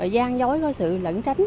giang dối có sự lẫn tránh